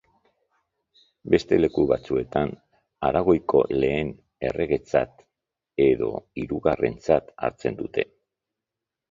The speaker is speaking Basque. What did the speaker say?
Beste leku batzuetan Aragoiko lehen erregetzat edo hirugarrentzat hartzen dute.